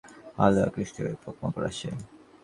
আলোয় আকৃষ্ট হয়ে পোক-মাকড় আসে।